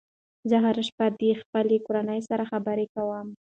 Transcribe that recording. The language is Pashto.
زه هره شپه د خپلې کورنۍ سره خبرې کوم.